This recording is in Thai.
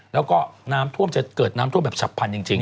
แล้วก็น้ำท่วมจะเกิดแบบฉับพันย์จริง